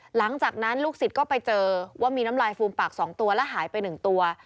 หลังจากนั้นลูกศิษย์ก็ไปเจอว่ามีน้ำลายฟูมปาก๒ตัวและหายไป๑ตัว